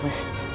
boleh ya pak